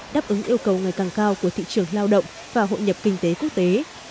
đáp ứng yêu cầu ngày càng cao của thị trường lao động và hội nhập kinh tế quốc tế